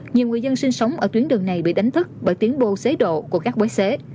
nhiều người dân sinh sống ở tuyến đường này bị đánh thức bởi tiến bô xế độ của các bối xế